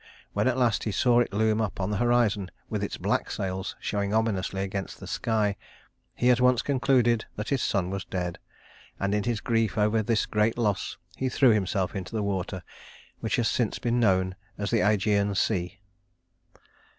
When, at last, he saw it loom up on the horizon, with its black sails showing ominously against the sky, he at once concluded that his son was dead; and in his grief over this great loss he threw himself into the water, which has since been known as the Ægean Sea.